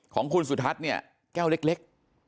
ของคุณสุทัศน์เนี่ยแก้วเล็ก